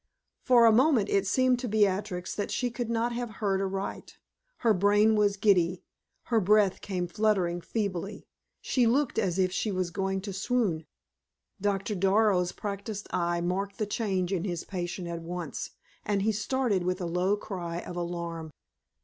For a moment it seemed to Beatrix that she could not have heard aright. Her brain was giddy, her breath came fluttering feebly she looked as if she was going to swoon. Doctor Darrow's practiced eye marked the change in his patient at once, and he started with a low cry of alarm.